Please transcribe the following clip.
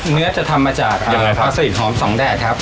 เนื้อจะทำมาจากปลาสลิดหอมสองแดดครับ